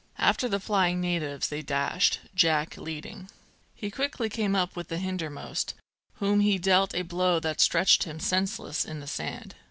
After the flying natives they dashed, Jack leading. He quickly came up with the hinder most, whom he dealt a blow that stretched him senseless in the sand.